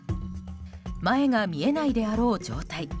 前が見えないであろう状態。